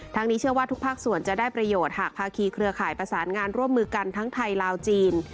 นี้เชื่อว่าทุกภาคส่วนจะได้ประโยชน์หากภาคีเครือข่ายประสานงานร่วมมือกันทั้งไทยลาวจีน